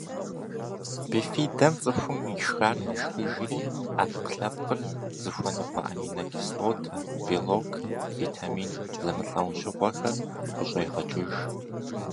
Бифидэм цӏыхум ишхар яшхыжри, ӏэпкълъэпкъыр зыхуэныкъуэ аминокислота, белок, витамин зэмылӏэужьыгъуэхэр къыщӏегъэкӏыж.